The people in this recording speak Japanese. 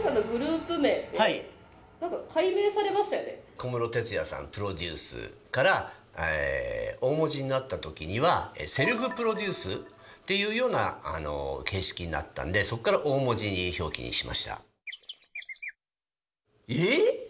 小室哲哉さんプロデュースから大文字になった時にはセルフプロデュースっていうような形式になったんでそこから大文字表記にしました。